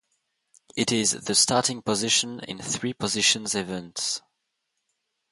It is the starting position in three positions events.